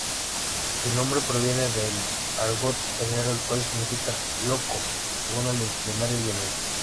Su nombre proviene del argot llanero, el cual significa ‘loco’, según el diccionario llanero.